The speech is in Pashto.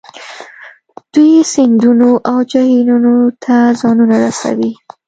دوی سیندونو او جهیلونو ته ځانونه رسوي